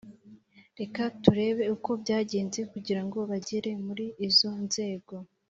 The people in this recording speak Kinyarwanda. Reka turebe uko byagenze kugira ngo bagere muri izo nzego